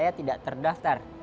saya tidak terdaftar